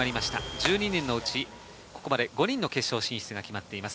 １２人のうち、ここまで５人の決勝進出が決まっています。